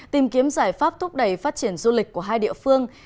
tìm kiếm giải pháp thúc đẩy phát triển du lịch của hai địa phương